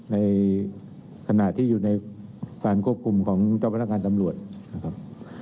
ในขณะที่อยู่ในการควบคุมของเจ้าพนักงานตำรวจนะครับ